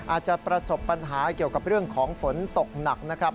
อาจจะประสบปัญหาเกี่ยวกับเรื่องของฝนตกหนักนะครับ